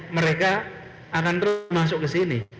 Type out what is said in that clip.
mereka akan terus masuk ke sini